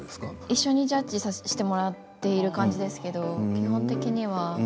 一緒にジャッジさせてもらっているような形ですけれども基本的には。